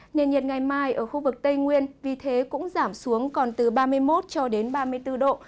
nền nhiệt ngày mai ở khu vực tây nguyên vì thế cũng giảm xuống còn từ ba mươi một cho đến ba mươi bốn độ